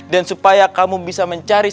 dan supaya kamu bisa mencari